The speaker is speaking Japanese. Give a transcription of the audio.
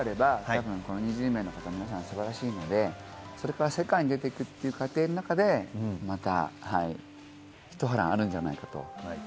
日本という枠であれば、２０名の方は素晴らしいので、それから世界に出ていくという過程の中でまたひと波乱あるんじゃないかと。